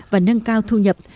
và nâng cao thu nhập